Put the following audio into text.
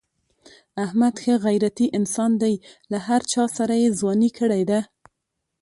احمد ښه غیرتی انسان دی. له هر چاسره یې ځواني کړې ده.